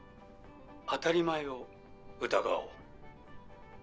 当たり前を疑おう。